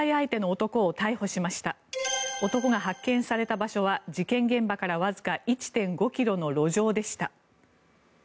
男が発見された場所は事件現場からわずか１．５ｋｍの路上でした。